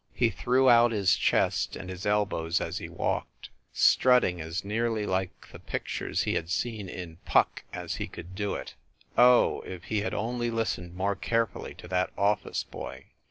He threw out his chest and his el bows as he walked, strutting as nearly like the pic tures he had seen in "Puck" as he could do it. Oh, if he had only listened more carefully to that office boy!